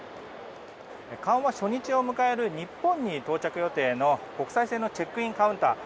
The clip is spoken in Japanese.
緩和初日を迎える日本到着予定の国際線のチェックインカウンター。